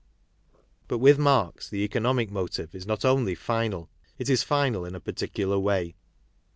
*■ But with Marx the economic motive is not only final, it is final in a particular way.